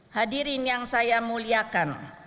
hadirin yang saya muliakan